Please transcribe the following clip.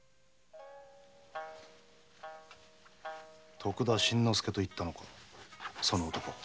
徳田新之助と言ったのかその男。